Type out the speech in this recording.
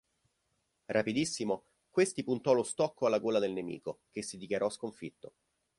Rapidissimo, questi puntò lo stocco alla gola del nemico, che si dichiarò sconfitto.